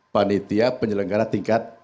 panitia penyelenggara tingkat